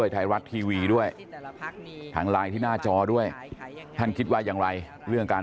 น่าจะอย่างนั้นนะคะน่าจะอย่างนั้น